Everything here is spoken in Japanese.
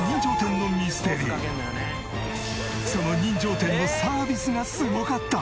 その人情店のサービスがすごかった！